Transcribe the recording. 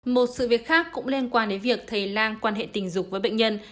một sự việc khác cũng liên quan đến việc thầy lang quan hệ tình dục với bệnh nhân